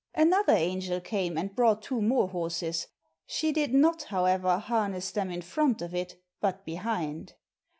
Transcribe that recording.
Another angel came and brought two more horses; she did not, however, harness them in front of it, but behind.